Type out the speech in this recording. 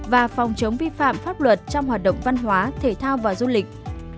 và phòng chống vi phạm pháp luật trong hoạt động văn hóa thể thao và du lịch